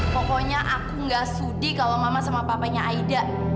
pokoknya aku gak studi kalau mama sama papanya aida